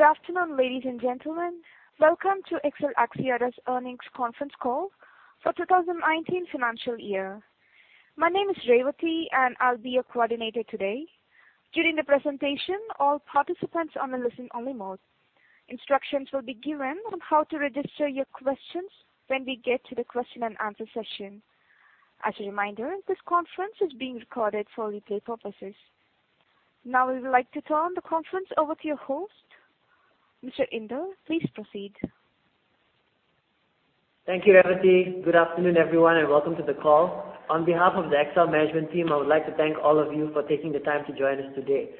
Good afternoon, ladies and gentlemen. Welcome to XL Axiata's earnings conference call for 2019 financial year. My name is Revathi, and I'll be your coordinator today. During the presentation, all participants are on listen-only mode. Instructions will be given on how to register your questions when we get to the question-and-answer session. As a reminder, this conference is being recorded for replay purposes. Now, we would like to turn the conference over to your host. Mr. Indar, please proceed. Thank you, Revathi. Good afternoon, everyone, and welcome to the call. On behalf of the XL management team, I would like to thank all of you for taking the time to join us today.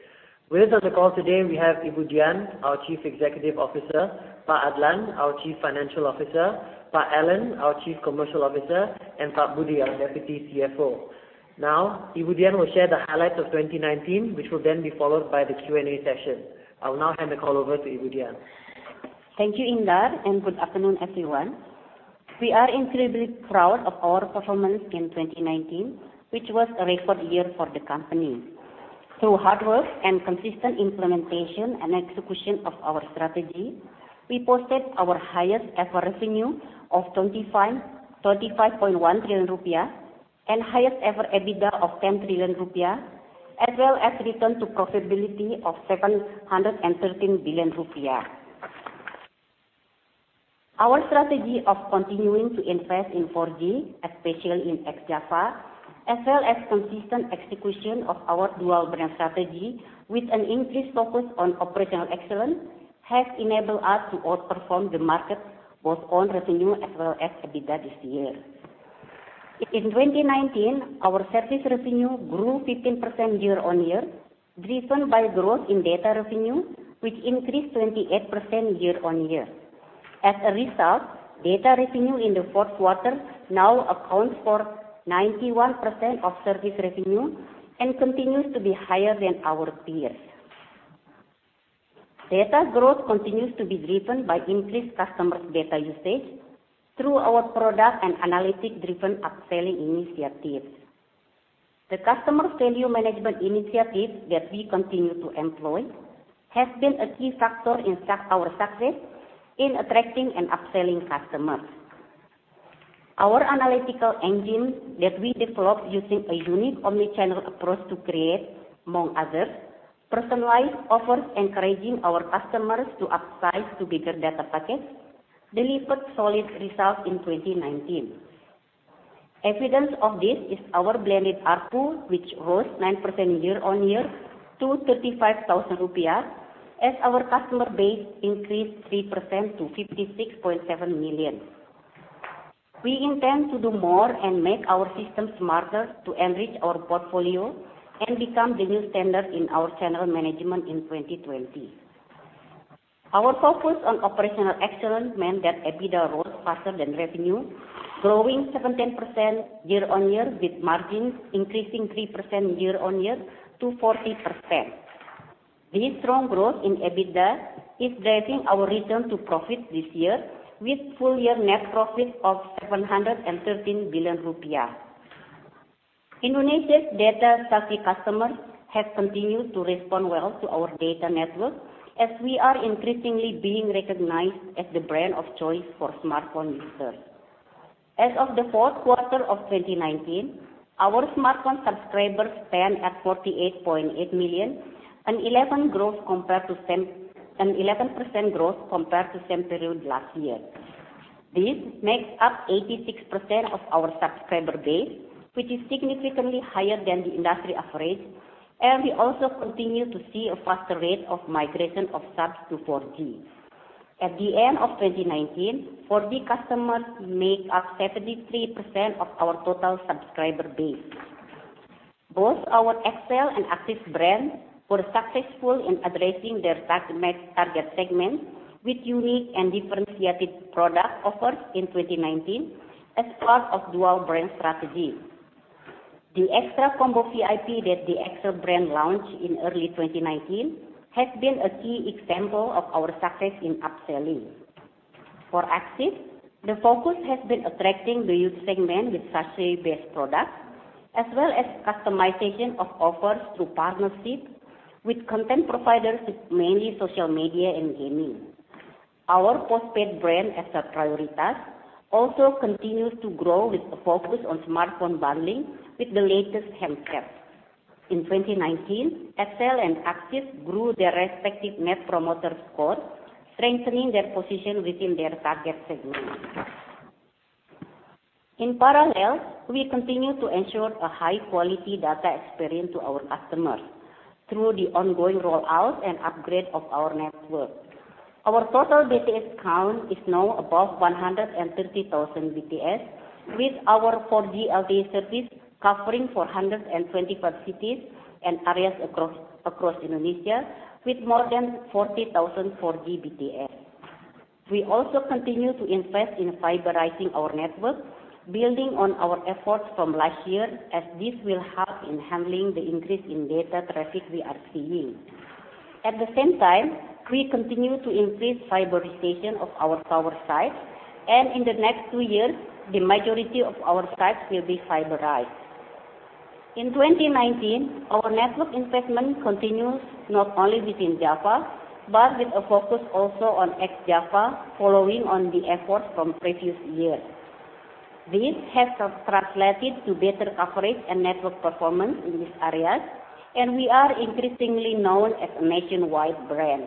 With us on the call today, we have Ibu Dian, our Chief Executive Officer, Pak Adlan, our Chief Financial Officer, Pak Allan, our Chief Commercial Officer, and Pak Budi, our Deputy CFO. Now Ibu Dian will share the highlights of 2019, which will then be followed by the Q&A session. I will now hand the call over to Ibu Dian. Thank you, Indar, and good afternoon, everyone. We are incredibly proud of our performance in 2019, which was a record year for the company. Through hard work and consistent implementation and execution of our strategy, we posted our highest-ever revenue of 25.1 trillion rupiah and highest ever EBITDA of 10 trillion rupiah, as well as return to profitability of 713 billion rupiah. Our strategy of continuing to invest in 4G, especially in ex-Java, as well as consistent execution of our dual brand strategy with an increased focus on operational excellence, has enabled us to outperform the market, both on revenue as well as EBITDA this year. In 2019, our service revenue grew 15% year-on-year, driven by growth in data revenue, which increased 28% year-on-year. As a result, data revenue in the fourth quarter now accounts for 91% of service revenue and continues to be higher than our peers. Data growth continues to be driven by increased customers' data usage through our product and analytic-driven upselling initiatives. The Customer Value Management initiatives that we continue to employ have been a key factor in our success in attracting and upselling customers. Our analytical engine that we developed using a unique omni-channel approach to create, among others, personalized offers encouraging our customers to upsize to bigger data packets, delivered solid results in 2019. Evidence of this is our blended ARPU, which rose 9% year-on-year to 35,000 rupiah, as our customer base increased 3% to 56.7 million. We intend to do more and make our system smarter to enrich our portfolio and become the new standard in our channel management in 2020. Our focus on operational excellence meant that EBITDA rose faster than revenue, growing 17% year-on-year, with margins increasing 3% year-on-year to 40%. This strong growth in EBITDA is driving our return to profit this year, with full year net profit of 713 billion rupiah. Indonesia's data-savvy customers have continued to respond well to our data network as we are increasingly being recognized as the brand of choice for smartphone users. As of the fourth quarter of 2019, our smartphone subscribers stand at 48.8 million, an 11% growth compared to same period last year. This makes up 86% of our subscriber base, which is significantly higher than the industry average, and we also continue to see a faster rate of migration of subs to 4G. At the end of 2019, 4G customers made up 73% of our total subscriber base. Both our XL and AXIS brands were successful in addressing their target segments with unique and differentiated product offers in 2019 as part of dual brand strategy. The Xtra Combo VIP that the XL brand launched in early 2019 has been a key example of our success in upselling. For AXIS, the focus has been attracting the youth segment with usage-based products, as well as customization of offers through partnerships with content providers, mainly social media and gaming. Our postpaid brand, XL PRIORITAS, also continues to grow with a focus on smartphone bundling with the latest handsets. In 2019, XL and AXIS grew their respective Net Promoter Scores, strengthening their position within their target segments. In parallel, we continue to ensure a high-quality data experience to our customers through the ongoing rollout and upgrade of our network. Our total BTS count is now above 130,000 BTS, with our 4G LTE service covering 425 cities and areas across Indonesia with more than 40,000 4G BTS. We also continue to invest in fiberizing our network, building on our efforts from last year, as this will help in handling the increase in data traffic we are seeing. At the same time, we continue to increase fiberization of our tower sites. In the next two years, the majority of our sites will be fiberized. In 2019, our network investment continues not only within Java, but with a focus also on ex-Java following on the efforts from previous years. This has translated to better coverage and network performance in these areas, and we are increasingly known as a nationwide brand.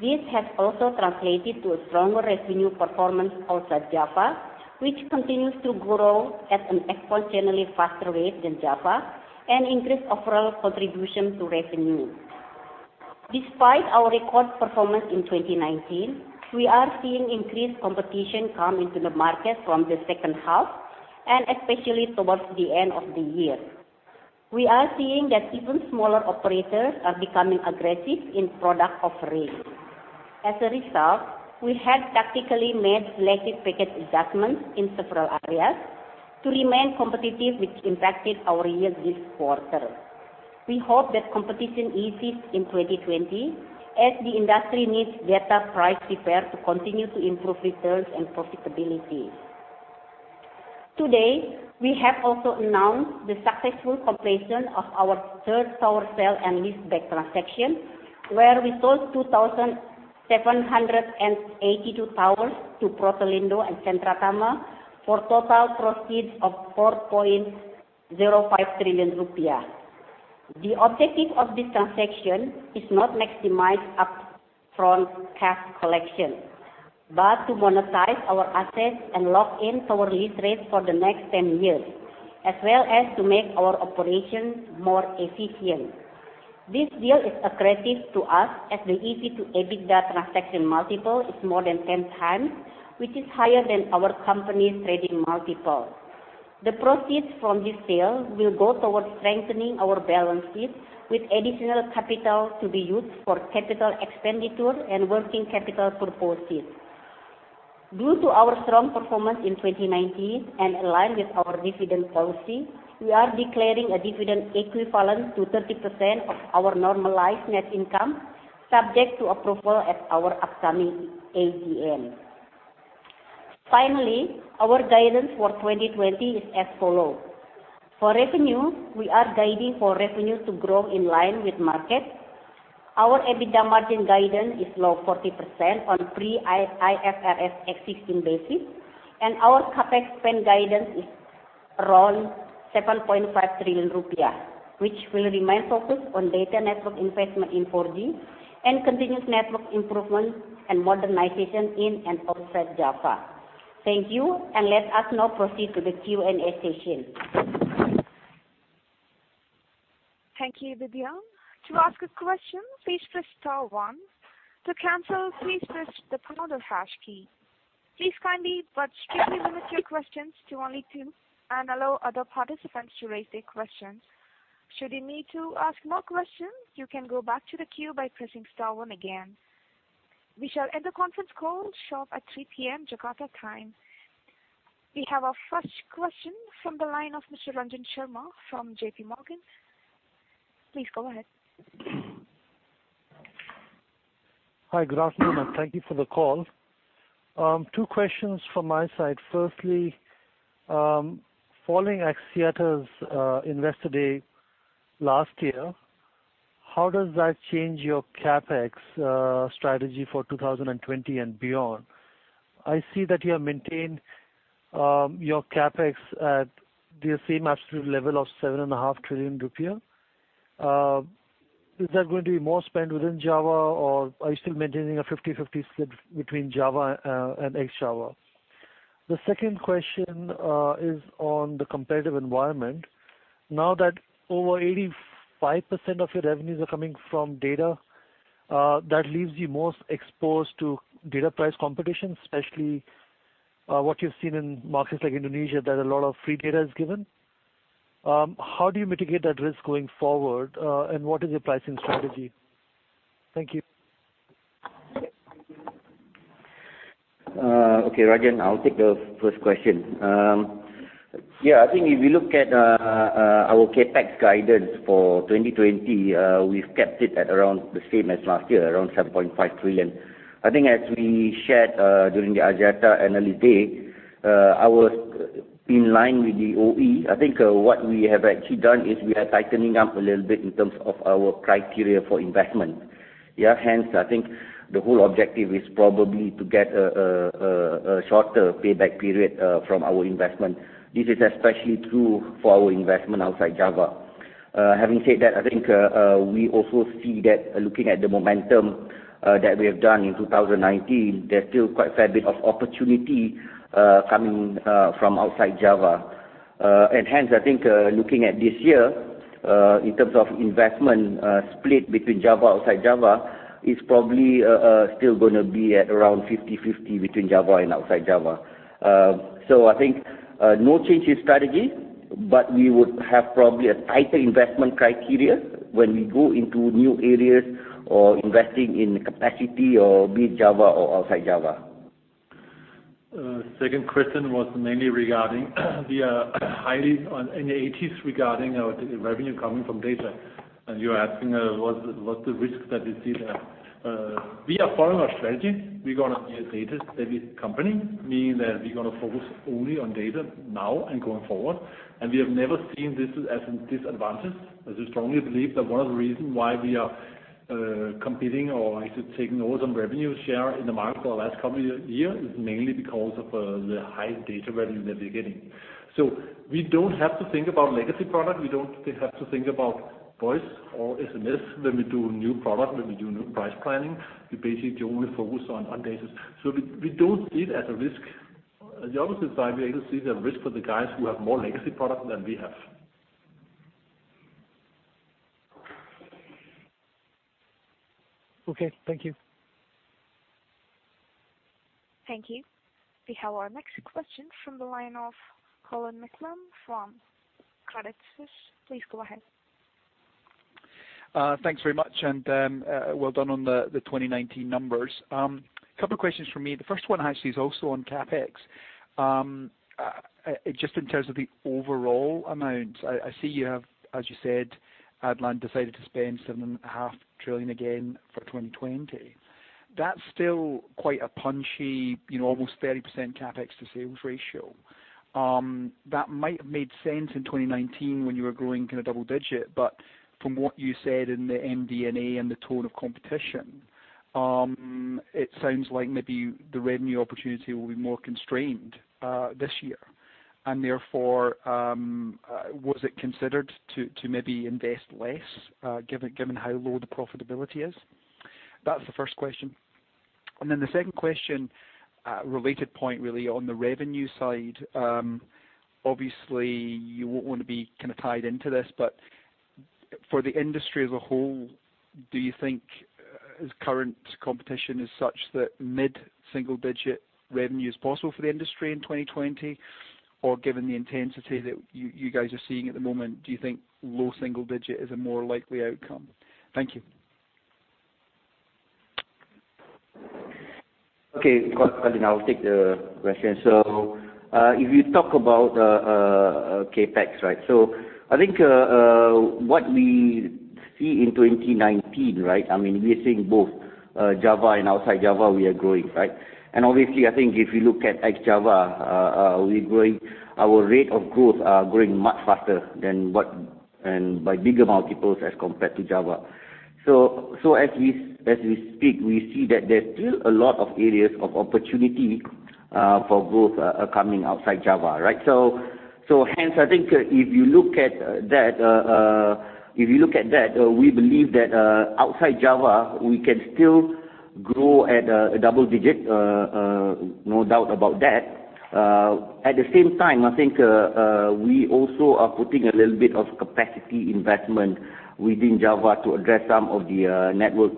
This has also translated to a stronger revenue performance outside Java, which continues to grow at an exponentially faster rate than Java and increase overall contribution to revenue. Despite our record performance in 2019, we are seeing increased competition come into the market from the second half and especially towards the end of the year. We are seeing that even smaller operators are becoming aggressive in product offering. As a result, we have tactically made selective package adjustments in several areas to remain competitive, which impacted our yields this quarter. We hope that competition eases in 2020 as the industry needs better price repair to continue to improve returns and profitability. Today, we have also announced the successful completion of our third tower sale and leaseback transaction, where we sold 2,782 towers to Protelindo and Centratama for total proceeds of 4.05 trillion rupiah. The objective of this transaction is not maximize upfront cash collection, but to monetize our assets and lock in tower lease rates for the next 10 years, as well as to make our operations more efficient. This deal is accretive to us as the EV-to-EBITDA transaction multiple is more than 10x, which is higher than our company's trading multiple. The proceeds from this sale will go towards strengthening our balance sheet with additional capital to be used for capital expenditure and working capital purposes. Due to our strong performance in 2019 and aligned with our dividend policy, we are declaring a dividend equivalent to 30% of our normalized net income, subject to approval at our upcoming AGM. Finally, our guidance for 2020 is as follows. For revenue, we are guiding for revenue to grow in line with market. Our EBITDA margin guidance is now 40% on pre-IFRS 16 basis, and our CapEx spend guidance is around 7.5 trillion rupiah, which will remain focused on data network investment in 4G and continuous network improvement and modernization in and outside Java. Thank you, and let us now proceed to the Q&A session. Thank you, Ibu Dian. To ask a question, please press star one. To cancel, please press the pound or hash key. Please kindly but strictly limit your questions to only two and allow other participants to raise their questions. Should you need to ask more questions, you can go back to the queue by pressing star one again. We shall end the conference call sharp at 3:00 P.M. Jakarta time. We have our first question from the line of Mr. Ranjan Sharma from JPMorgan. Please go ahead. Hi. Good afternoon, and thank you for the call. Two questions from my side. Firstly, following Axiata's Investor Day last year, how does that change your CapEx strategy for 2020 and beyond? I see that you have maintained your CapEx at the same absolute level of 7.5 trillion rupiah. Is that going to be more spent within Java, or are you still maintaining a 50/50 split between Java and ex-Java? The second question is on the competitive environment. Now that over 85% of your revenues are coming from data, that leaves you most exposed to data price competition, especially what you've seen in markets like Indonesia, that a lot of free data is given. How do you mitigate that risk going forward? And what is your pricing strategy? Thank you. Okay, Ranjan, I'll take the first question. I think if you look at our CapEx guidance for 2020, we've kept it at around the same as last year, around 7.5 trillion. I think as we shared during the Axiata Analyst Day, in line with the OE, I think what we have actually done is we are tightening up a little bit in terms of our criteria for investment. I think the whole objective is probably to get a shorter payback period from our investment. This is especially true for our investment outside Java. Having said that, I think we also see that looking at the momentum that we have done in 2019, there's still quite a fair bit of opportunity coming from outside Java. Hence, I think looking at this year, in terms of investment split between Java, outside Java, it's probably still going to be at around 50/50 between Java and outside Java. I think no change in strategy, but we would have probably a tighter investment criteria when we go into new areas or investing in capacity or be it Java or outside Java. Second question was mainly regarding the highly, and it is regarding our revenue coming from data. You're asking what's the risks that we see there. We are following our strategy. We're going to be a data-heavy company, meaning that we're going to focus only on data now and going forward, and we have never seen this as a disadvantage, as we strongly believe that one of the reasons why we are competing or actually taking over some revenue share in the market for the last couple of years is mainly because of the high data value that they're getting. We don't have to think about legacy product. We don't have to think about voice or SMS when we do a new product, when we do new price planning. We basically only focus on data. We don't see it as a risk. The other side, we actually see the risk for the guys who have more legacy product than we have. Okay. Thank you. Thank you. We have our next question from the line of Colin McCallum from Credit Suisse. Please go ahead. Thanks very much, and well done on the 2019 numbers. Couple of questions from me. The first one actually is also on CapEx. Just in terms of the overall amount, I see you have, as you said, Adlan decided to spend 7.5 trillion again for 2020. That's still quite a punchy, almost 30% CapEx to sales ratio. That might have made sense in 2019 when you were growing double-digit, but from what you said in the MD&A and the tone of competition, it sounds like maybe the revenue opportunity will be more constrained this year. Therefore, was it considered to maybe invest less, given how low the profitability is? That's the first question. The second question, related point really on the revenue side. Obviously, you won't want to be tied into this, but for the industry as a whole, do you think as current competition is such that mid-single-digit revenue is possible for the industry in 2020? Or given the intensity that you guys are seeing at the moment, do you think low single-digit is a more likely outcome? Thank you. Okay, Colin. I will take the question. If you talk about CapEx. I think what we see in 2019, we are seeing both Java and outside Java, we are growing. Obviously, I think if you look at ex-Java, our rate of growth are growing much faster than what, and by bigger multiples as compared to Java. As we speak, we see that there is still a lot of areas of opportunity for growth coming outside Java. Hence, I think if you look at that, we believe that outside Java, we can still grow at a double-digit, no doubt about that. At the same time, I think, we also are putting a little bit of capacity investment within Java to address some of the network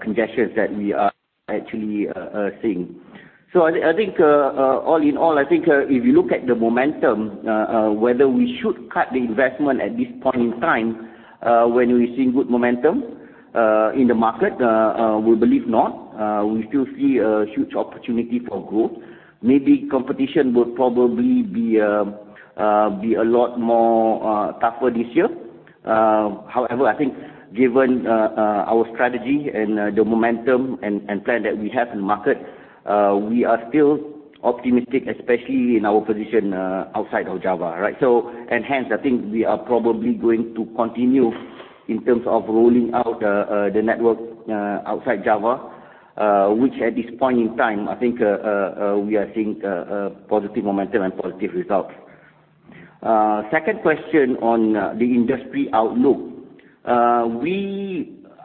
congestions that we are actually seeing. I think all in all, I think if you look at the momentum, whether we should cut the investment at this point in time, when we're seeing good momentum in the market, we believe not. We still see a huge opportunity for growth. Maybe competition would probably be a lot more tougher this year. However, I think given our strategy and the momentum and plan that we have in the market, we are still optimistic, especially in our position outside of Java. Hence, I think we are probably going to continue in terms of rolling out the network outside Java, which at this point in time, I think we are seeing positive momentum and positive results. Second question on the industry outlook.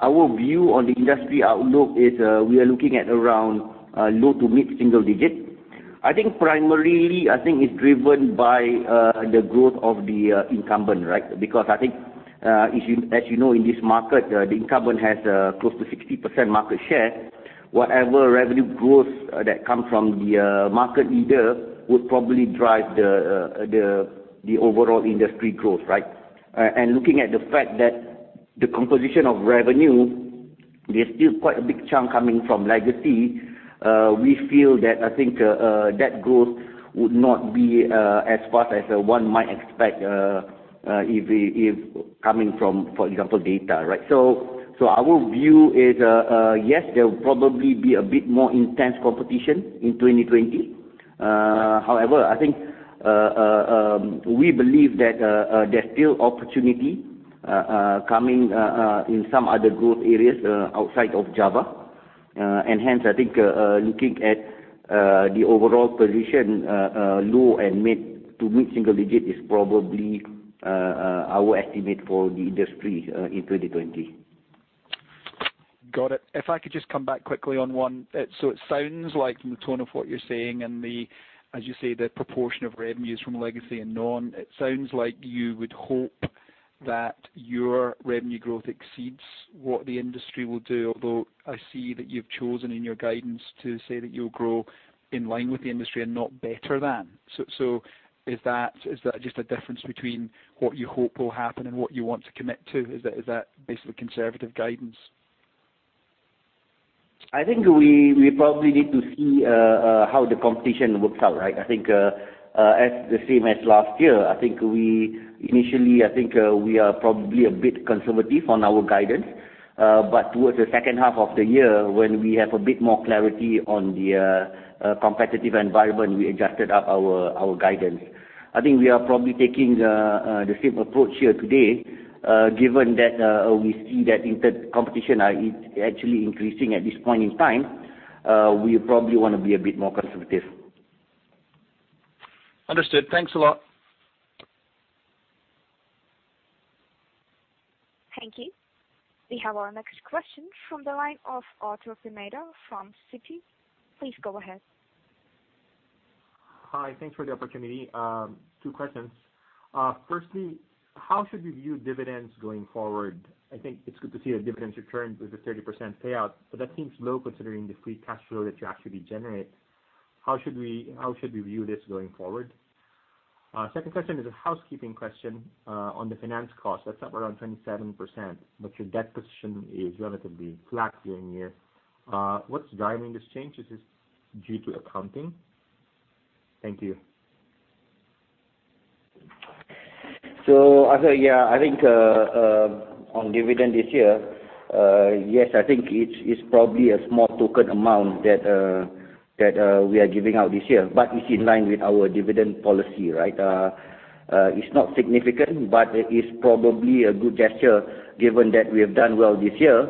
Our view on the industry outlook is, we are looking at around low to mid-single-digit. Primarily, I think it's driven by the growth of the incumbent. I think, as you know, in this market, the incumbent has close to 60% market share. Whatever revenue growth that comes from the market leader would probably drive the overall industry growth. Looking at the fact that the composition of revenue, there's still quite a big chunk coming from legacy. We feel that, I think that growth would not be as fast as one might expect if coming from, for example, data. Our view is, yes, there will probably be a bit more intense competition in 2020. However, I think, we believe that there's still opportunity coming in some other growth areas outside of Java. Hence, I think, looking at the overall position, low and mid to mid-single-digit is probably our estimate for the industry in 2020. Got it. If I could just come back quickly on one. It sounds like from the tone of what you're saying and the, as you say, the proportion of revenues from legacy and non, it sounds like you would hope that your revenue growth exceeds what the industry will do. I see that you've chosen in your guidance to say that you'll grow in line with the industry and not better than. Is that just a difference between what you hope will happen and what you want to commit to? Is that basically conservative guidance? I think we probably need to see how the competition works out. I think, as the same as last year, I think initially, I think we are probably a bit conservative on our guidance. Towards the second half of the year, when we have a bit more clarity on the competitive environment, we adjusted up our guidance. I think we are probably taking the same approach here today. Given that we see that competition is actually increasing at this point in time, we probably want to be a bit more conservative. Understood. Thanks a lot. Thank you. We have our next question from the line of Arthur Pineda from Citi. Please go ahead. Hi, thanks for the opportunity. Two questions. Firstly, how should we view dividends going forward? I think it's good to see a dividend return with a 30% payout, but that seems low considering the free cash flow that you actually generate. How should we view this going forward? Second question is a housekeeping question on the finance cost that's up around 27%, but your debt position is relatively flat year-on-year. What's driving this change? Is this due to accounting? Thank you. Arthur, I think on dividend this year, yes I think it's probably a small token amount that we are giving out this year, but it's in line with our dividend policy, right? It's not significant, but it is probably a good gesture given that we have done well this year.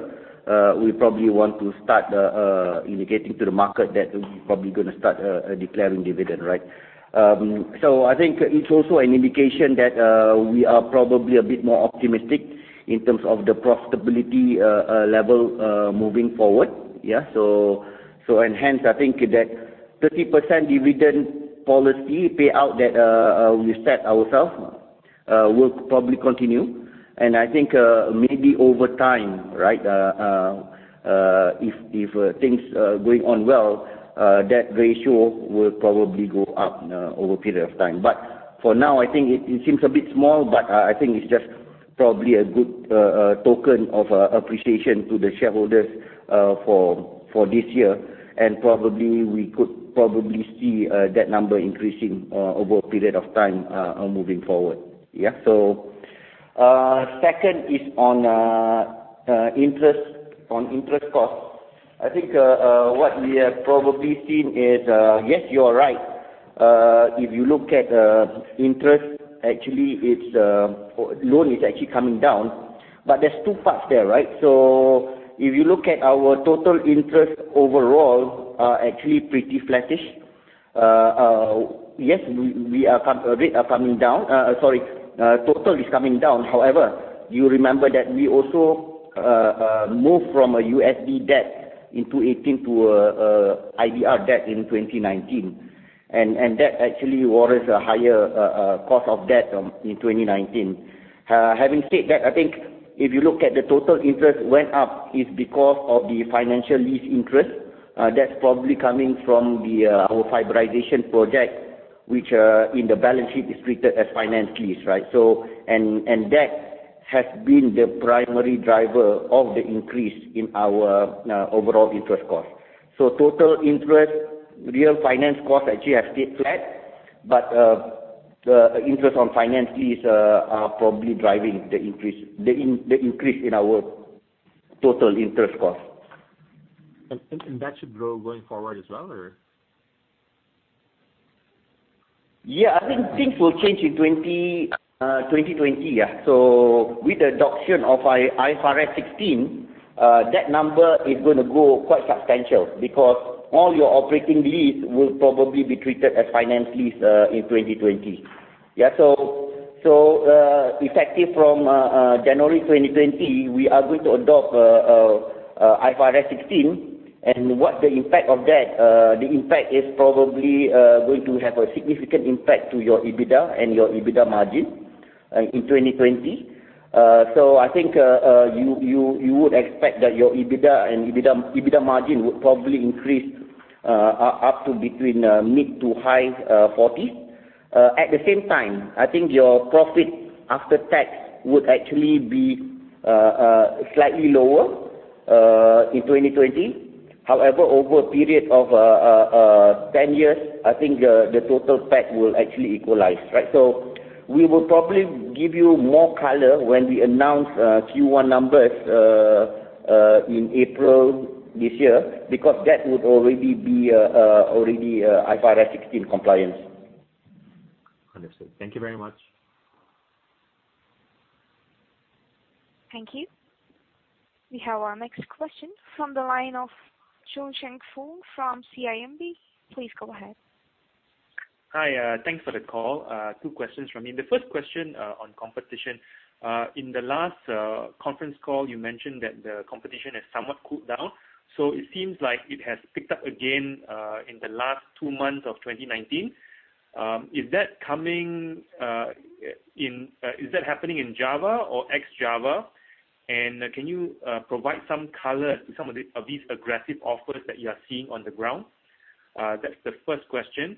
We probably want to start indicating to the market that we're probably going to start declaring dividend, right? I think it's also an indication that we are probably a bit more optimistic in terms of the profitability level moving forward. Hence, I think that 30% dividend policy payout that we set ourself will probably continue. I think maybe over time, right? If things are going on well, that ratio will probably go up over a period of time. For now, I think it seems a bit small, but I think it's just probably a good token of appreciation to the shareholders for this year. Probably we could see that number increasing over a period of time moving forward. Second is on interest cost. I think what we have probably seen is, yes, you are right. If you look at interest, actually loan is actually coming down, but there's two parts there, right? If you look at our total interest overall, actually pretty flattish. Yes, total is coming down, however, you remember that we also moved from a USD debt in 2018 to IDR debt in 2019. That actually warrants a higher cost of debt in 2019. Having said that, I think if you look at the total interest went up is because of the financial lease interest. That's probably coming from our fiberization project, which in the balance sheet is treated as finance lease, right? That has been the primary driver of the increase in our overall interest cost. Total interest, real finance cost actually has stayed flat, but the interest on finance lease are probably driving the increase in our total interest cost. That should grow going forward as well? Yeah. I think things will change in 2020. With the adoption of IFRS 16, that number is going to grow quite substantial because all your operating lease will probably be treated as finance lease in 2020. Effective from January 2020, we are going to adopt IFRS 16 and the impact is probably going to have a significant impact to your EBITDA and your EBITDA margin in 2020. I think you would expect that your EBITDA and EBITDA margin would probably increase up to between mid to high 40s. At the same time, I think your profit after tax would actually be slightly lower in 2020. However, over a period of 10 years, I think the total effect will actually equalize, right? We will probably give you more color when we announce Q1 numbers in April this year because that would already be IFRS 16 compliance. Understood. Thank you very much. Thank you. We have our next question from the line of Choong Chen Foong from CIMB. Please go ahead. Hi, thanks for the call. Two questions from me. The first question on competition. In the last conference call, you mentioned that the competition has somewhat cooled down. It seems like it has picked up again in the last two months of 2019. Is that happening in Java or ex-Java? Can you provide some color to some of these aggressive offers that you are seeing on the ground? That's the first question.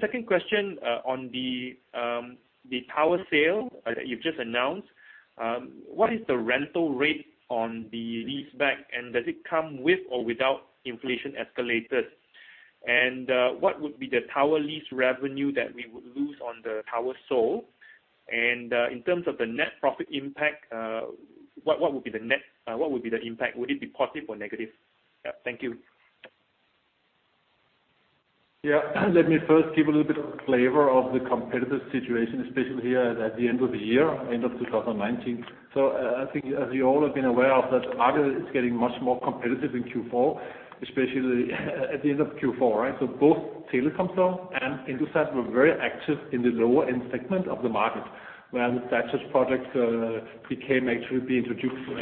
Second question on the tower sale that you've just announced. What is the rental rate on the lease back and does it come with or without inflation escalators? What would be the tower lease revenue that we would lose on the tower sold? In terms of the net profit impact, what would be the impact? Would it be positive or negative? Yeah. Thank you. Yeah. Let me first give a little bit of flavor of the competitive situation, especially here at the end of the year, end of 2019. I think as you all have been aware of, that the market is getting much more competitive in Q4, especially at the end of Q4, right? Both Telkomsel and Indosat were very active in the lower end segment of the market, whereas Hutch's products, it came, actually, they introduced to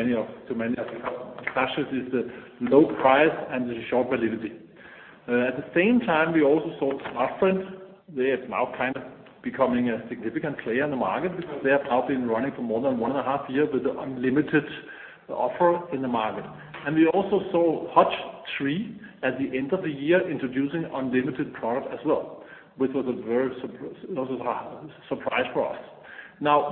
many of the customers. Hutch's is the low price and the short validity. At the same time, we also saw Smartfren. They are now kind of becoming a significant player in the market because they have now been running for more than one and a half year with the unlimited offer in the market. We also saw Hutch 3 at the end of the year introducing unlimited product as well, which was a very surprise for us.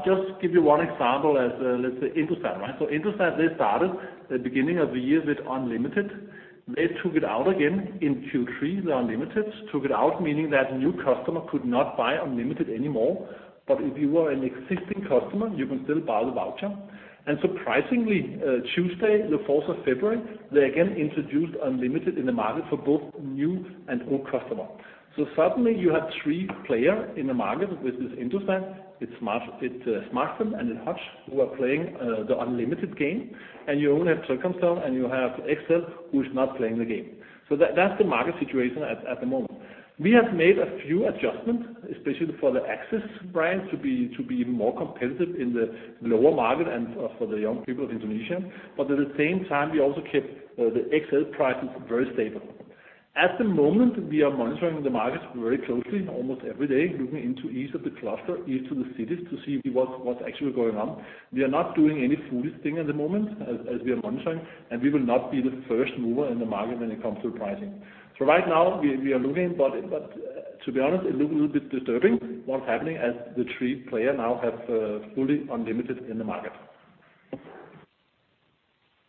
Just give you one example as, let's say Indosat, right? Indosat, they started the beginning of the year with unlimited. They took it out again in Q3, the unlimited. Took it out, meaning that new customer could not buy unlimited anymore. If you were an existing customer, you can still buy the voucher. Surprisingly, Tuesday, the 4th of February, they again introduced unlimited in the market for both new and old customer. Suddenly you have three player in the market, which is Indosat, it's Smartfren, and it's Hutch who are playing the unlimited game. You only have Telkomsel, and you have XL who's not playing the game. That's the market situation at the moment. We have made a few adjustments, especially for the AXIS brand to be even more competitive in the lower market and for the young people of Indonesia. At the same time, we also kept the XL prices very stable. At the moment, we are monitoring the markets very closely, almost every day, looking into each of the cluster, each of the cities to see what's actually going on. We are not doing any foolish thing at the moment, as we are monitoring, and we will not be the first mover in the market when it comes to pricing. Right now we are looking, but to be honest, it look a little bit disturbing what's happening as the Three player now have fully unlimited in the market.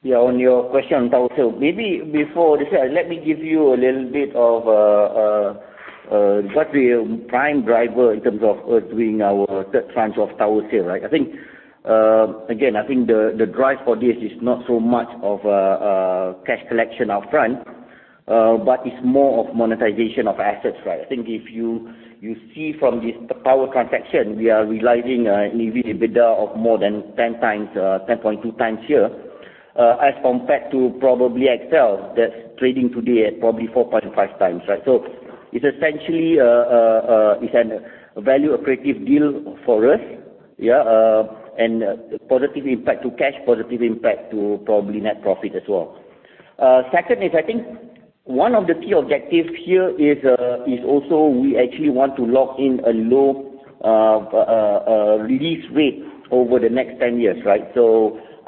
Yeah. On your question on tower sale, maybe before this, let me give you a little bit of what the prime driver in terms of us doing our third tranche of tower sale, right? Again, I think the drive for this is not so much of cash collection upfront, but it's more of monetization of assets, right? I think if you see from the tower transaction, we are realizing an EBITDA of more than 10x, 10.2x here, as compared to probably XL that's trading today at probably 4.5x, right? It's essentially, it's a value accretive deal for us, yeah, and positive impact to cash, positive impact to probably net profit as well. Second is, I think one of the key objectives here is also we actually want to lock in a low lease rate over the next 10 years, right?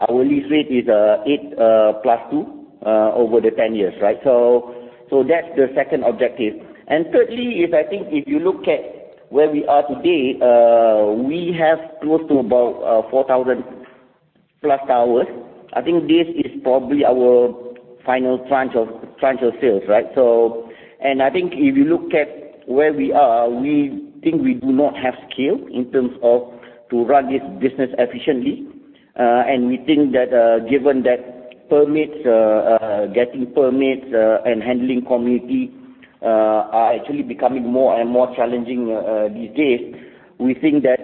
Our lease rate is eight plus two over the 10 years, right? That's the second objective. Thirdly is I think if you look at where we are today, we have close to about 4,000+ towers. I think this is probably our final tranche of sales, right? I think if you look at where we are, we think we do not have scale in terms of to run this business efficiently. We think that, given that getting permits, and handling community are actually becoming more and more challenging these days, we think that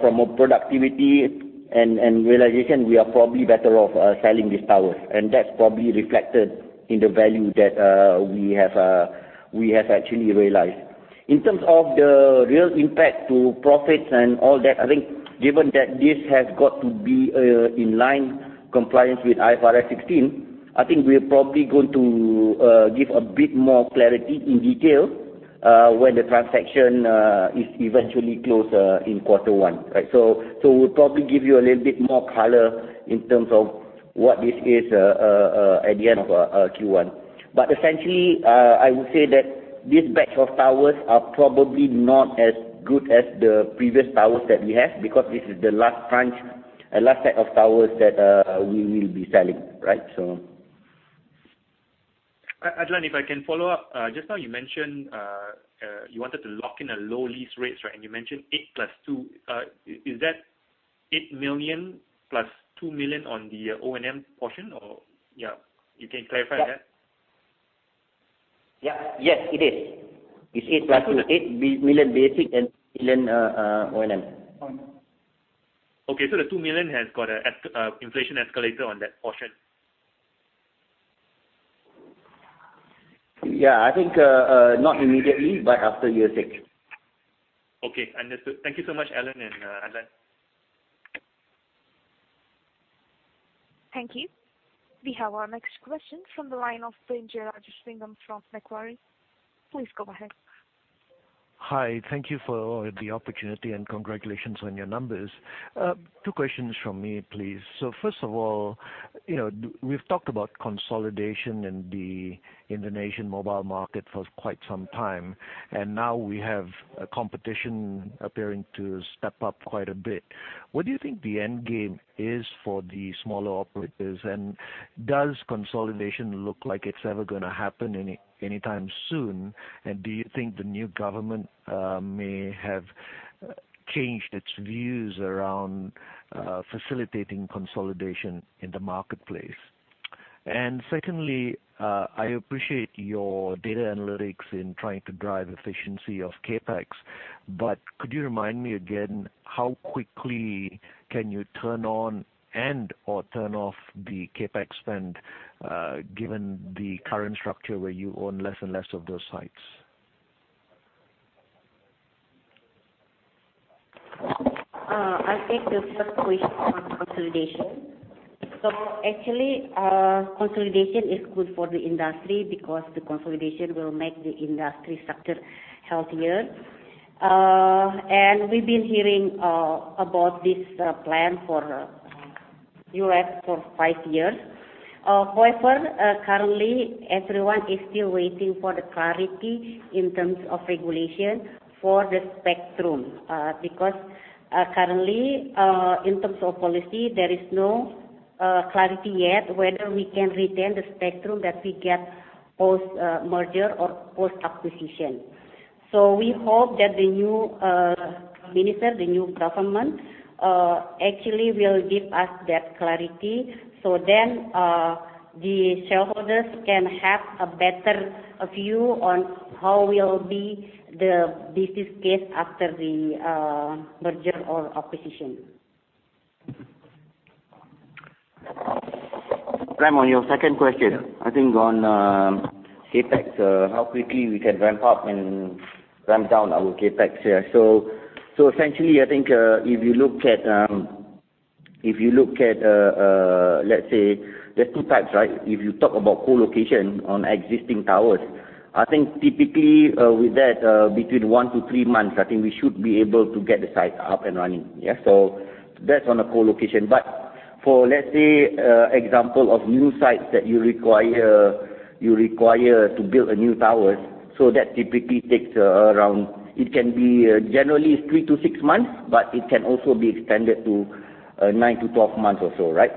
from a productivity and realization, we are probably better off selling these towers. That's probably reflected in the value that we have actually realized. In terms of the real impact to profits and all that, I think given that this has got to be in line compliance with IFRS 16, I think we're probably going to give a bit more clarity in detail when the transaction is eventually closed in quarter one. We'll probably give you a little bit more color in terms of what this is at the end of Q1. Essentially, I would say that this batch of towers are probably not as good as the previous towers that we have because this is the last tranche, last set of towers that we will be selling. Adlan, if I can follow up. Just now you mentioned you wanted to lock in low lease rates, right? You mentioned eight plus two. Is that 8 million plus 2 million on the O&M portion, or yeah? You can clarify that? Yeah. Yes, it is. It's eight plus two. 8 million basic and 2 million O&M. Okay. The 2 million has got an inflation escalator on that portion? Yeah, I think not immediately, but after the effect. Okay, understood. Thank you so much, Allan and Adlan. Thank you. We have our next question from the line of Prem Jearajasingam from Macquarie. Please go ahead. Hi. Thank you for the opportunity, and congratulations on your numbers. Two questions from me, please. First of all, we've talked about consolidation in the Indonesian mobile market for quite some time, and now we have a competition appearing to step up quite a bit. What do you think the end game is for the smaller operators, and does consolidation look like it's ever going to happen any time soon? Do you think the new government may have changed its views around facilitating consolidation in the marketplace? Secondly, I appreciate your data analytics in trying to drive efficiency of CapEx. Could you remind me again how quickly can you turn on and/or turn off the CapEx spend, given the current structure where you own less and less of those sites? I'll take the first question on consolidation. Actually, consolidation is good for the industry because the consolidation will make the industry sector healthier. We've been hearing about this plan for U.S. for five years. However, currently, everyone is still waiting for the clarity in terms of regulation for the spectrum, because currently in terms of policy, there is no clarity yet whether we can retain the spectrum that we get post merger or post acquisition. We hope that the new minister, the new government, actually will give us that clarity, so then the shareholders can have a better view on how will be the business case after the merger or acquisition. Prem, on your second question, I think on CapEx, how quickly we can ramp up and ramp down our CapEx. Essentially, I think if you look at, let's say, there's two types, right? If you talk about co-location on existing towers, I think typically, with that, between one to three months, I think we should be able to get the site up and running. That's on a co-location. For, let's say, example of new sites that you require to build a new tower, so that typically takes around, it can be generally three to six months, but it can also be extended to 9-12 months or so, right?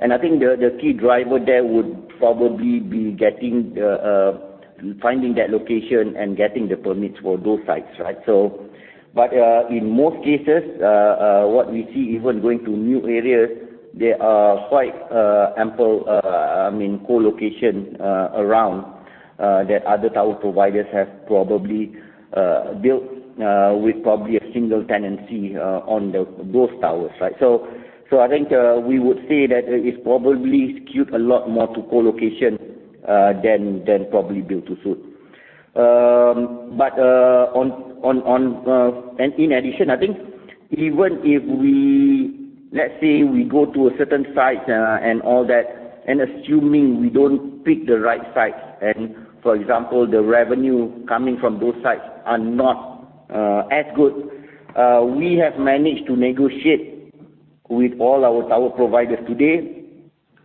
I think the key driver there would probably be finding that location and getting the permits for those sites, right? In most cases, what we see even going to new areas, there are quite ample co-location around that other tower providers have probably built with probably a single tenancy on those towers. I think we would say that it probably skewed a lot more to co-location than probably build to suit. In addition, I think even if, let's say, we go to a certain site and all that, and assuming we don't pick the right sites, and for example, the revenue coming from those sites are not as good, we have managed to negotiate with all our tower providers today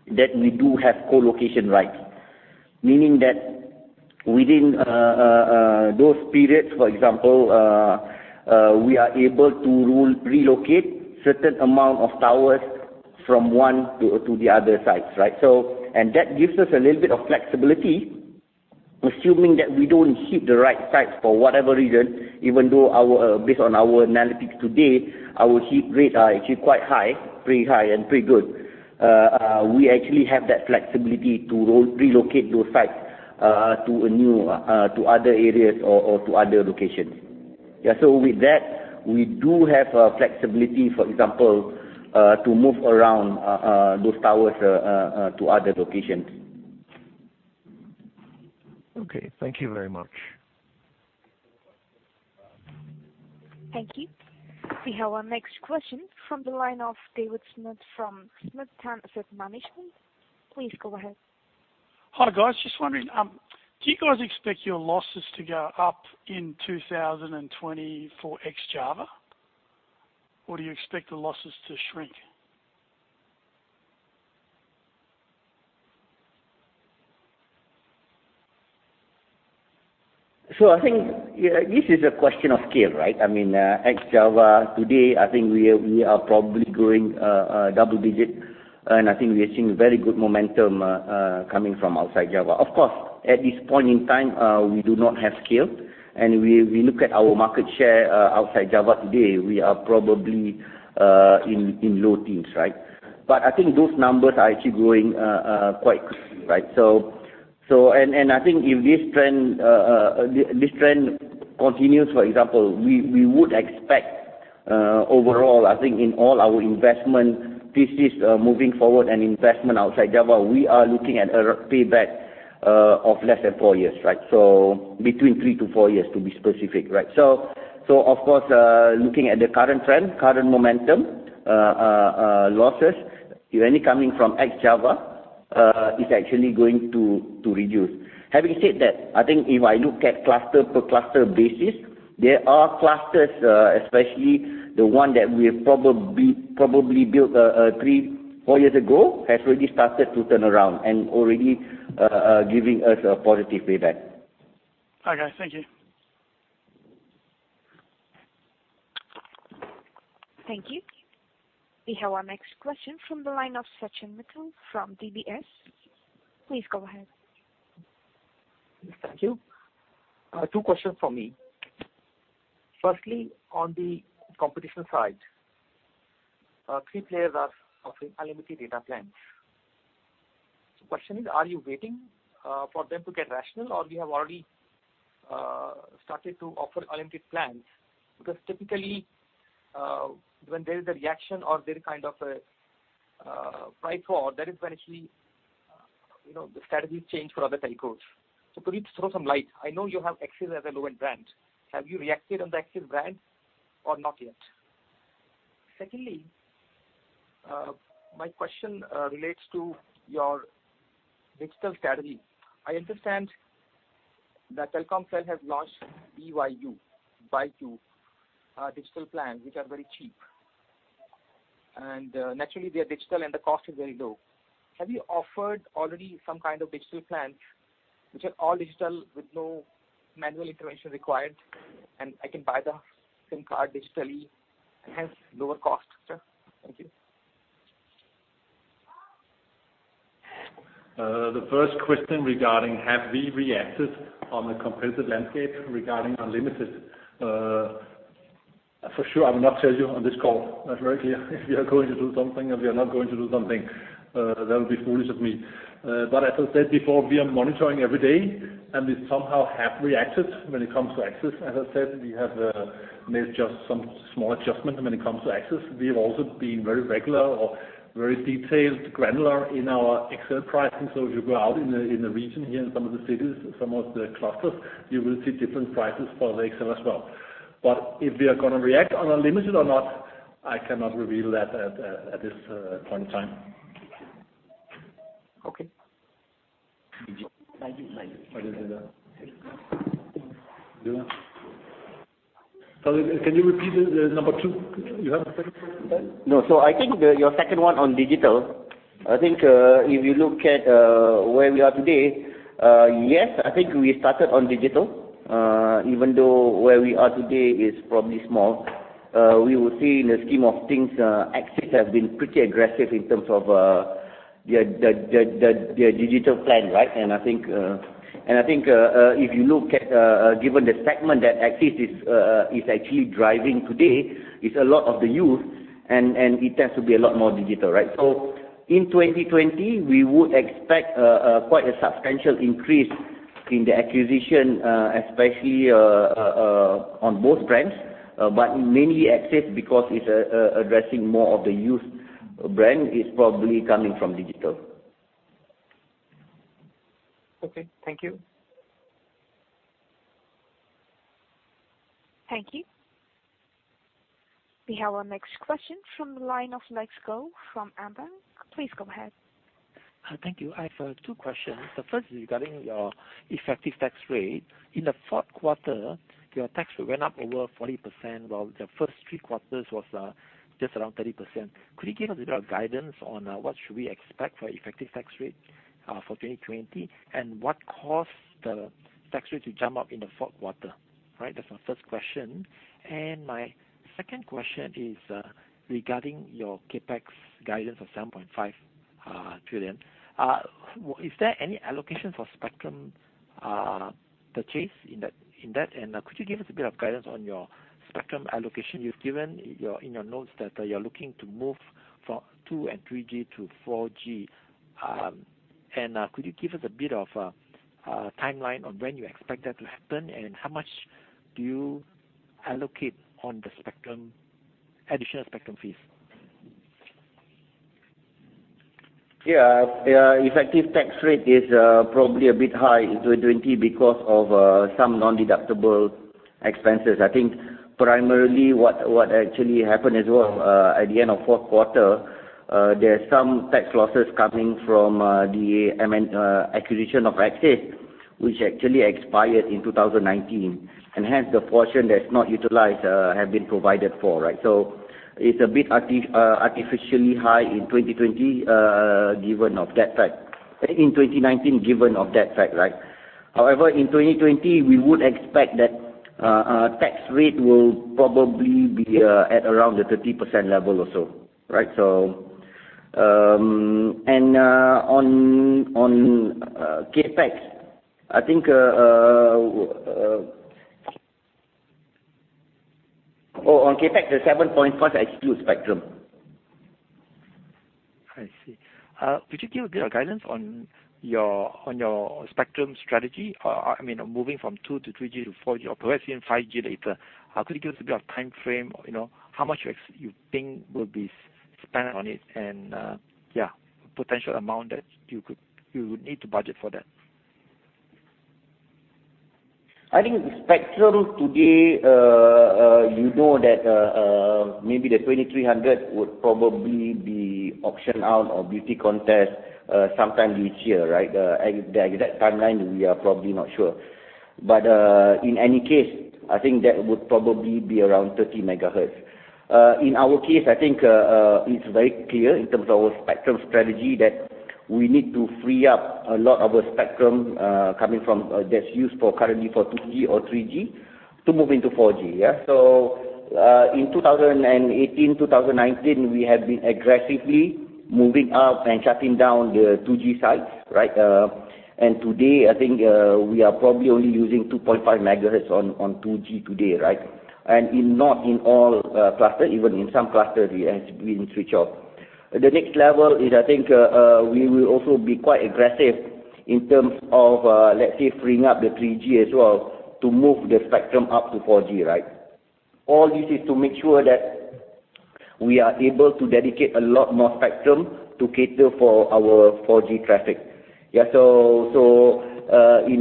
that we do have co-location rights. Meaning that within those periods, for example, we are able to relocate certain amount of towers from one to the other sites. That gives us a little bit of flexibility, assuming that we don't hit the right sites for whatever reason, even though based on our analytics today, our hit rates are actually quite high, pretty high, and pretty good. We actually have that flexibility to relocate those sites to other areas or to other locations. With that, we do have flexibility, for example, to move around those towers to other locations. Okay. Thank you very much. Thank you. We have our next question from the line of David Smith from Smith Tan Asset Management. Please go ahead. Hi, guys. Just wondering, do you guys expect your losses to go up in 2020 for ex-Java? Or do you expect the losses to shrink? I think this is a question of scale, right? ex-Java, today, I think we are probably growing double-digit, and I think we are seeing very good momentum coming from outside Java. Of course, at this point in time, we do not have scale, and we look at our market share outside Java today, we are probably in low teens. I think those numbers are actually growing quite quickly. I think if this trend continues, for example, we would expect overall, I think in all our investment thesis moving forward and investment outside Java, we are looking at a payback of less than four years. Between three to four years, to be specific. Of course, looking at the current trend, current momentum, losses, if any, coming from ex-Java, is actually going to reduce. Having said that, I think if I look at cluster per cluster basis, there are clusters, especially the one that we have probably built three, four years ago, has already started to turnaround and already giving us a positive payback. Okay, guys. Thank you. Thank you. We have our next question from the line of Sachin Mittal from DBS. Please go ahead. Thank you. Two questions from me. Firstly, on the competition side, three players are offering unlimited data plans. The question is, are you waiting for them to get rational, or you have already started to offer unlimited plans? Typically, when there is a reaction or there is a price war, that is when actually the strategies change for other telcos. Could you throw some light? I know you have AXIS as a low-end brand. Have you reacted on the AXIS brand or not yet? Secondly, my question relates to your digital strategy. I understand that Telkomsel has launched by.U digital plans, which are very cheap. Naturally, they are digital and the cost is very low. Have you offered already some kind of digital plans which are all digital with no manual intervention required, and I can buy the SIM card digitally and hence lower cost structure? Thank you. The first question regarding have we reacted on the competitive landscape regarding unlimited. For sure, I will not tell you on this call. Not very clear if we are going to do something or we are not going to do something. That would be foolish of me. As I said before, we are monitoring every day, and we somehow have reacted when it comes to AXIS. As I said, we have made just some small adjustments when it comes to AXIS. We have also been very regular or very detailed, granular in our XL prices. If you go out in the region here in some of the cities, some of the clusters, you will see different prices for the XL as well. If we are going to react on unlimited or not, I cannot reveal that at this point in time. Okay. Sachin, can you repeat number two? You have a second question? No. I think your second one on digital, I think if you look at where we are today, yes, I think we started on digital. Even though where we are today is probably small. We will see in the scheme of things, AXIS has been pretty aggressive in terms of their digital plan, right? I think, if you look at given the segment that AXIS is actually driving today, it's a lot of the youth, and it tends to be a lot more digital, right? In 2020, we would expect quite a substantial increase in the acquisition, especially on both brands. Mainly AXIS because it's addressing more of the youth brand is probably coming from digital. Okay. Thank you. Thank you. We have our next question from the line of Alex Goh from AmBank. Please go ahead. Thank you. I have two questions. The first is regarding your effective tax rate. In the fourth quarter, your tax rate went up over 40%, while the first three quarters was just around 30%. Could you give us a bit of guidance on what should we expect for effective tax rate for 2020? What caused the tax rate to jump up in the fourth quarter, right? That's my first question. My second question is regarding your CapEx guidance of 7.5 trillion. Is there any allocation for spectrum purchase in that? Could you give us a bit of guidance on your spectrum allocation? You've given in your notes that you're looking to move from 2G and 3G to 4G. Could you give us a bit of a timeline on when you expect that to happen, and how much do you allocate on the additional spectrum fees? Yeah. Effective tax rate is probably a bit high in 2020 because of some non-deductible expenses. I think primarily what actually happened as well, at the end of fourth quarter, there are some tax losses coming from the, I mean, acquisition of AXIS, which actually expired in 2019, and hence the portion that's not utilized has been provided for, right? It's a bit artificially high in 2020 given of that fact. In 2019 given of that fact, right? However, in 2020, we would expect that our tax rate will probably be at around the 30% level or so, right? On CapEx, I think the IDR 7.5 trillion excludes spectrum. I see. Could you give a bit of guidance on your spectrum strategy? I mean, moving from 2G to 3G to 4G or perhaps even 5G later. Could you give us a bit of timeframe? How much you think will be spent on it and, yeah, potential amount that you would need to budget for that. I think spectrum today, you know that maybe the 2,300 would probably be auctioned out or beauty contest sometime this year, right? The exact timeline, we are probably not sure. In any case, I think that would probably be around 30 MHz. In our case, I think it's very clear in terms of our spectrum strategy that we need to free up a lot of our spectrum that's used for currently for 2G or 3G to move into 4G. In 2018, 2019, we have been aggressively moving up and shutting down the 2G sites. Today, I think we are probably only using 2.5 MHz on 2G today. Not in all clusters, even in some clusters, it has been switched off. The next level is, I think we will also be quite aggressive in terms of, let's say, freeing up the 3G as well to move the spectrum up to 4G. All this is to make sure that we are able to dedicate a lot more spectrum to cater for our 4G traffic. In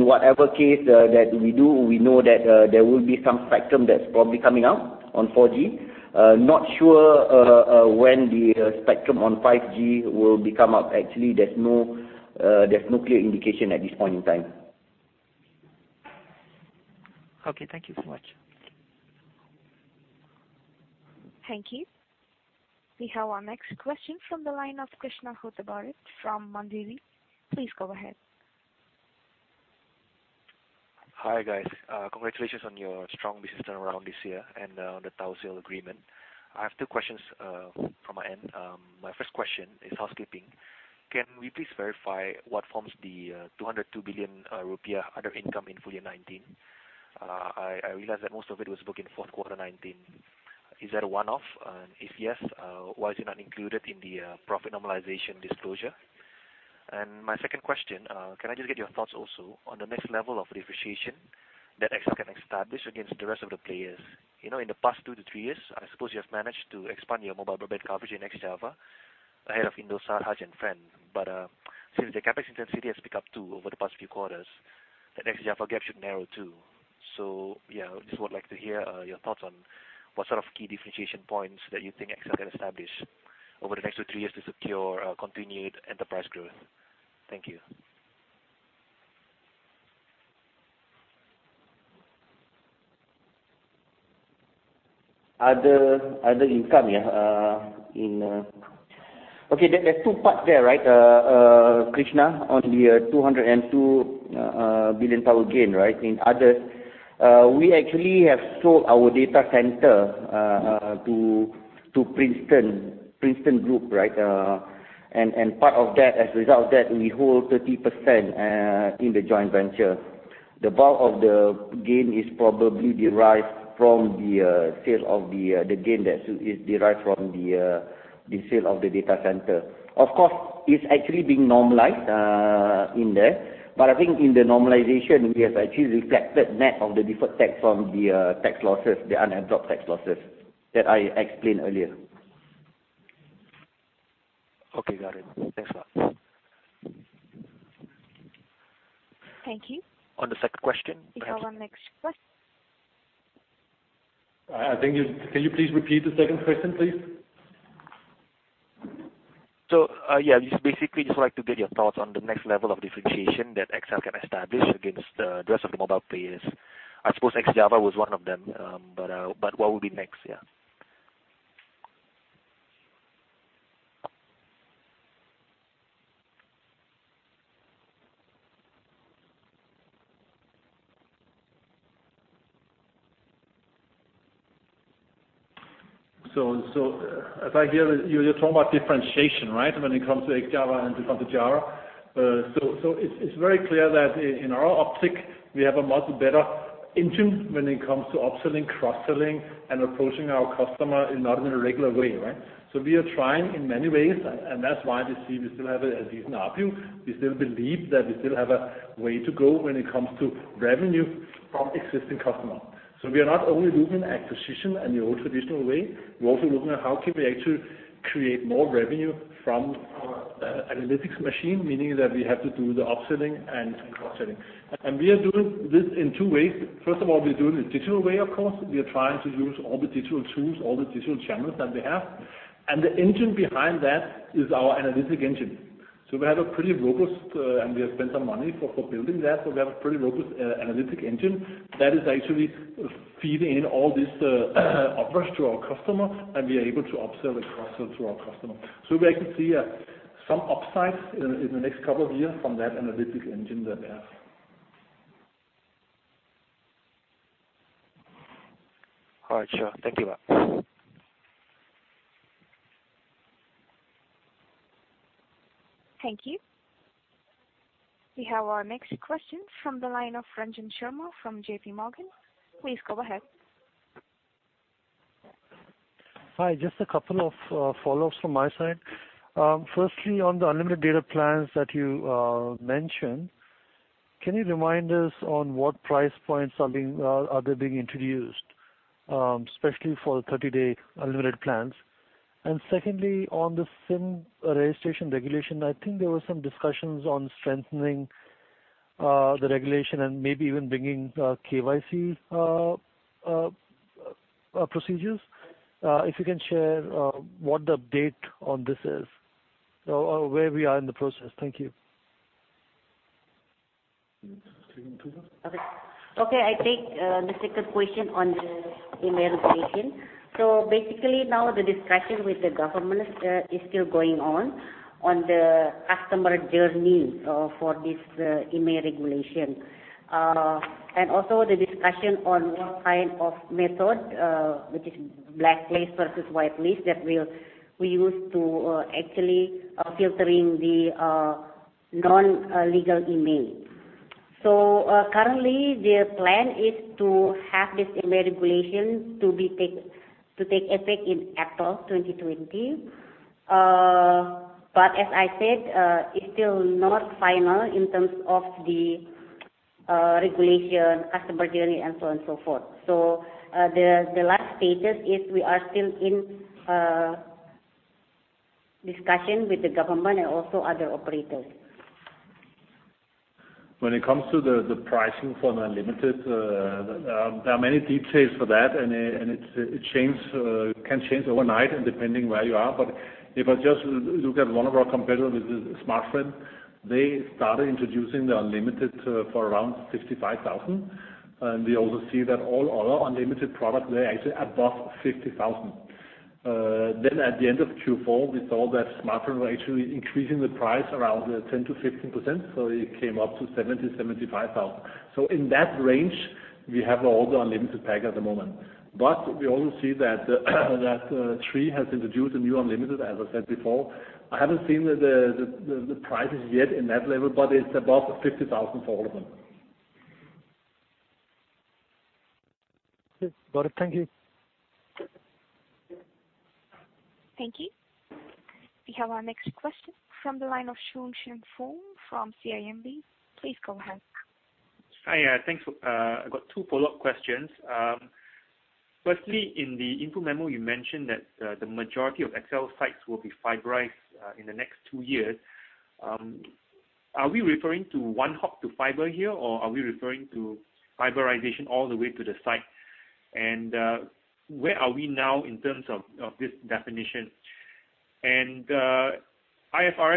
whatever case that we do, we know that there will be some spectrum that's probably coming up on 4G. Not sure when the spectrum on 5G will be coming up. Actually, there's no clear indication at this point in time. Okay. Thank you so much. Thank you. We have our next question from the line of Kresna Hutabarat from Mandiri. Please go ahead. Hi, guys. Congratulations on your strong business turnaround this year and on the tower sale agreement. I have two questions from my end. My first question is housekeeping. Can we please verify what forms the 202 billion rupiah other income in full year 2019? I realize that most of it was booked in fourth quarter 2019. Is that a one-off? If yes, why is it not included in the profit normalization disclosure? My second question, can I just get your thoughts also on the next level of differentiation that XL can establish against the rest of the players? In the past two to three years, I suppose you have managed to expand your mobile broadband coverage in ex-Java ahead of Indosat, Hutch, and fren. Since their CapEx intensity has picked up too over the past few quarters, the ex-Java gap should narrow too. Just would like to hear your thoughts on what sort of key differentiation points that you think XL can establish over the next two, three years to secure continued enterprise growth. Thank you. Other income. Okay, there's two parts there, Kresna, on the 202 billion Tower gain. In other, we actually have sold our data center to Princeton Group. Part of that, as a result of that, we hold 30% in the joint venture. The bulk of the gain is probably derived from the sale of the data center. Of course, it's actually being normalized in there. I think in the normalization, we have actually reflected net of the deferred tax from the tax losses, the unadopted tax losses that I explained earlier. Okay, got it. Thanks a lot. Thank you. On the second question. We have our next question. I think, can you please repeat the second question, please? Yeah, just basically, just like to get your thoughts on the next level of differentiation that XL can establish against the rest of the mobile players. I suppose ex-Java was one of them. What would be next? Yeah. As I hear, you're talking about differentiation, right? When it comes to ex-Java and when it comes to Java. It's very clear that in our optic, we have a much better engine when it comes to upselling, cross-selling, and approaching our customer and not in a regular way. We are trying in many ways, and that's why we see we still have a decent ARPU. We still believe that we still have a way to go when it comes to revenue from existing customers. We are not only looking at acquisition in the old traditional way, we're also looking at how can we actually create more revenue from our analytics machine, meaning that we have to do the upselling and cross-selling. We are doing this in two ways. First of all, we're doing the digital way, of course. We are trying to use all the digital tools, all the digital channels that we have. The engine behind that is our analytic engine. We have a pretty robust, and we have spent some money for building that, we have a pretty robust analytic engine that is actually feeding in all this offers to our customer, and we are able to upsell and cross-sell to our customer. We actually see some upsides in the next couple of years from that analytic engine that we have. All right. Sure. Thank you a lot. Thank you. We have our next question from the line of Ranjan Sharma from JPMorgan. Please go ahead. Hi. Just a couple of follow-ups from my side. Firstly, on the unlimited data plans that you mentioned, can you remind us on what price points are they being introduced, especially for the 30-day unlimited plans? Secondly, on the SIM registration regulation, I think there were some discussions on strengthening the regulation and maybe even bringing KYC procedures. If you can share what the update on this is or where we are in the process. Thank you. Take that. Okay. I take the second question on the IMEI regulation. Basically, now the discussion with the government is still going on the customer journey for this IMEI regulation. Also the discussion on what kind of method, which is blacklist versus whitelist, that we use to actually filtering the non-legal IMEI. Currently, their plan is to have this IMEI regulation to take effect in April 2020. As I said, it is still not final in terms of the regulation, customer journey, and so on, so forth. The last status is we are still in discussion with the government and also other operators. When it comes to the pricing for unlimited, there are many details for that, and it can change overnight and depending where you are. If I just look at one of our competitors, which is Smartfren, they started introducing their unlimited for around 65,000. We also see that all other unlimited product, they're actually above 50,000. At the end of Q4, we saw that Smartfren were actually increasing the price around 10%-15%, so it came up to 70,000, 75,000. In that range, we have all the unlimited pack at the moment. We also see that Three has introduced a new unlimited, as I said before. I haven't seen the prices yet in that level, but it's above 50,000 for all of them. Okay, got it. Thank you. Thank you. We have our next question from the line of Choong Chen Foong from CIMB. Please go ahead. Hi, thanks. I've got two follow-up questions. Firstly, in the info memo, you mentioned that the majority of XL sites will be fiberized in the next two years. Are we referring to one hop to fiber here, or are we referring to fiberization all the way to the site? Where are we now in terms of this definition? IFRS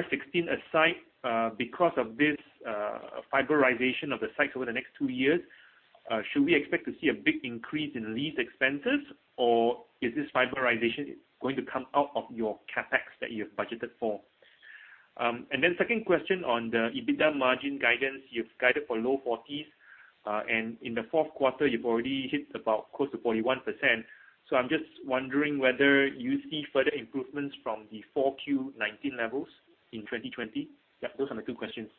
16 aside, because of this fiberization of the sites over the next two years, should we expect to see a big increase in lease expenses, or is this fiberization going to come out of your CapEx that you have budgeted for? Second question on the EBITDA margin guidance. You've guided for low 40s, and in the fourth quarter, you've already hit about close to 41%. I'm just wondering whether you see further improvements from the 4Q 2019 levels in 2020. Those are my two questions.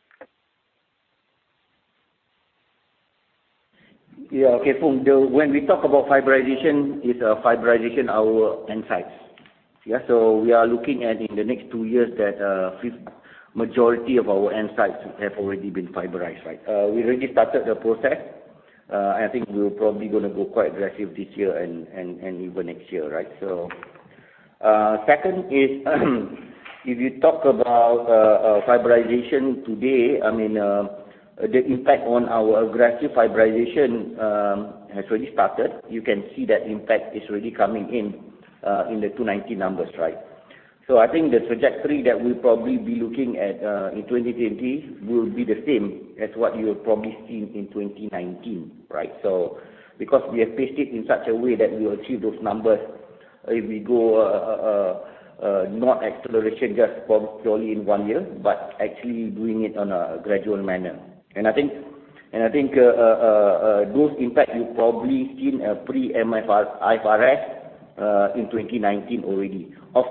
Yeah. Okay, Foong. When we talk about fiberization, it's fiberization our end sites. Yeah, we are looking at in the next two years that majority of our end sites have already been fiberized. We already started the process. I think we're probably going to go quite aggressive this year and even next year. Second is if you talk about fiberization today, the impact on our aggressive fiberization has already started. You can see that impact is already coming in the 2019 numbers. I think the trajectory that we'll probably be looking at in 2020 will be the same as what you have probably seen in 2019. Because we have paced it in such a way that we will achieve those numbers if we go not acceleration just probably purely in one year, but actually doing it on a gradual manner. I think those impact you've probably seen pre-IFRS in 2019 already. Of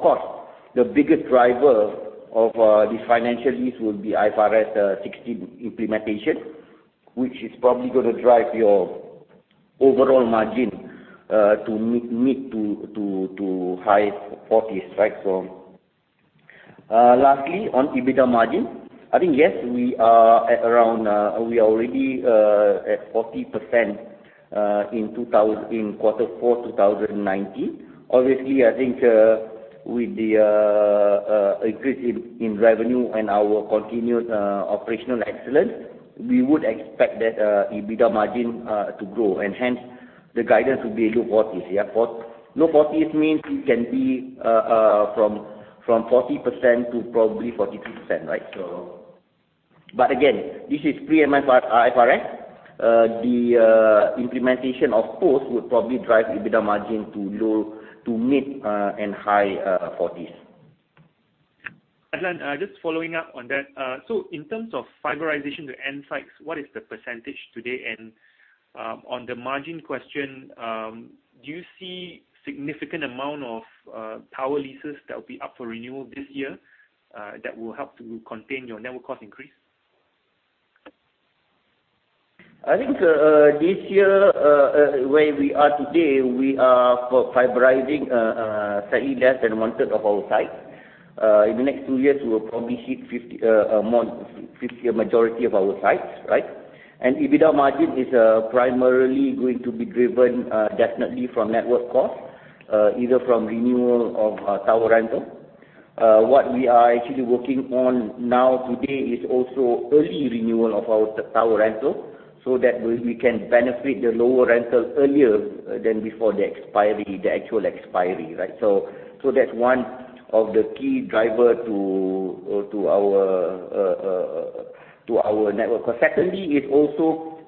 course, the biggest driver of this financial lease will be IFRS 16 implementation, which is probably going to drive your overall margin to mid to high 40s. Lastly, on EBITDA margin, I think, yes, we are already at 40% in quarter four 2019. Obviously, I think with the increase in revenue and our continued operational excellence, we would expect that EBITDA margin to grow, and hence the guidance will be low 40s. Low 40s means it can be from 40% to probably 43%. Again, this is pre-IFRS. The implementation, of course, would probably drive EBITDA margin to mid and high 40s. Adlan, just following up on that. In terms of fiberization to end sites, what is the percentage today? On the margin question, do you see significant amount of tower leases that will be up for renewal this year, that will help to contain your network cost increase? I think this year, where we are today, we are fiberizing slightly less than 1/3 of our sites. In the next two years, we will probably hit majority of our sites. EBITDA margin is primarily going to be driven definitely from network cost, either from renewal of tower rental. What we are actually working on now today is also early renewal of our tower rental, so that we can benefit the lower rentals earlier than before the actual expiry. That's one of the key driver to our network. Secondly,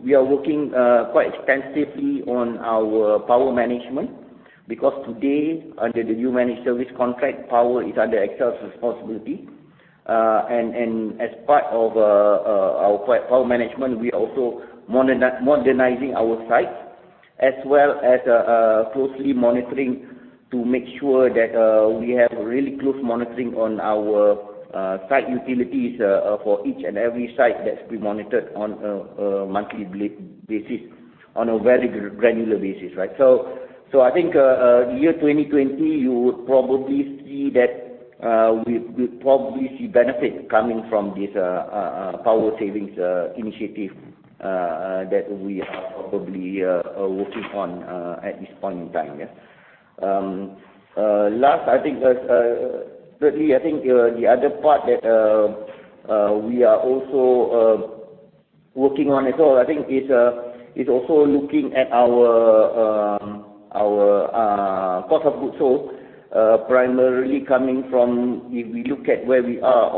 we are working quite extensively on our power management because today, under the new managed service contract, power is under XL's responsibility. As part of our power management, we're also modernizing our sites as well as closely monitoring to make sure that we have really close monitoring on our site utilities for each and every site that's being monitored on a monthly basis, on a very granular basis. I think year 2020, you would probably see benefit coming from this power savings initiative that we are probably working on at this point in time. Last, I think, the other part that we are also working on as well, I think is also looking at our cost of goods sold, primarily coming from if we look at where we are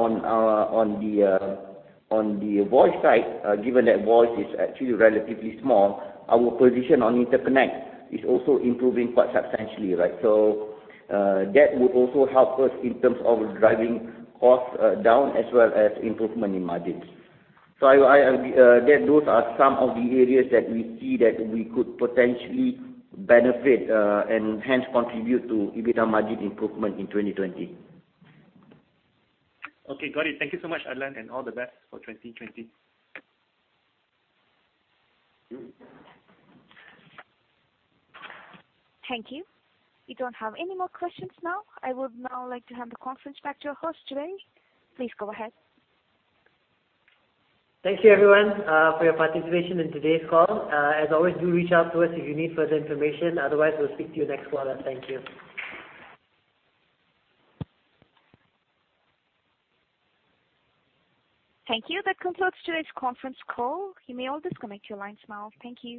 on the voice side, given that voice is actually relatively small, our position on interconnect is also improving quite substantially. That would also help us in terms of driving costs down as well as improvement in margins. Those are some of the areas that we see that we could potentially benefit and hence contribute to EBITDA margin improvement in 2020. Okay, got it. Thank you so much, Adlan, and all the best for 2020. Thank you. Thank you. We don't have any more questions now. I would now like to hand the conference back to your host today. Please go ahead. Thank you everyone for your participation in today's call. As always, do reach out to us if you need further information. Otherwise, we'll speak to you next quarter. Thank you. Thank you. That concludes today's conference call. You may all disconnect your lines now. Thank you.